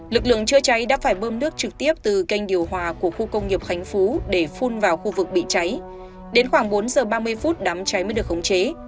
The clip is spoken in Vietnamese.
lực lượng chữa cháy đã phải bơm nước trực tiếp từ kênh điều hòa của khu công nghiệp khánh phú để phun vào khu vực bị cháy đến khoảng bốn giờ ba mươi phút đám cháy mới được khống chế